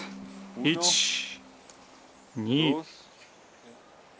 １２。